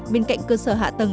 bên cạnh cơ sở hạ tầng